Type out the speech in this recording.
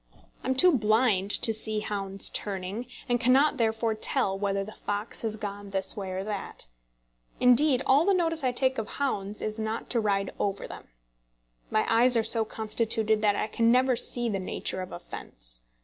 I am too blind to see hounds turning, and cannot therefore tell whether the fox has gone this way or that. Indeed all the notice I take of hounds is not to ride over them. My eyes are so constituted that I can never see the nature of a fence.